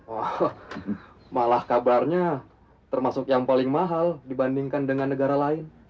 oh malah kabarnya termasuk yang paling mahal dibandingkan dengan negara lain